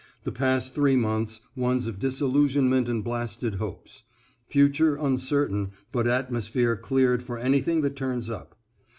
The past three months, ones of disillusionment and blasted hopes. Future uncertain, but atmosphere cleared for anything that turns up.